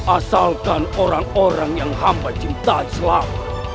asalkan orang orang yang hamba cinta islam